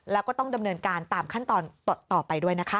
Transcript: แล้วก็ต้องดำเนินการตามขั้นตอนต่อไปด้วยนะคะ